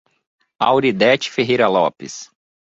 Auridete Ferreira Lopes